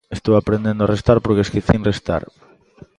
Estou aprendendo a restar porque esquecín restar.